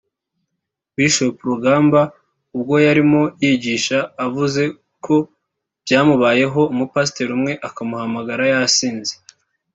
Bishop Rugamba ubwo yarimo yigisha yavuze ko byamubayeho umupasiteri umwe akamuhamagara yasinze